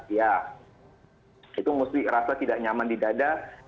ya itu mesti rasa tidak nyaman di dada